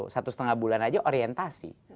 satu setengah bulan saja orientasi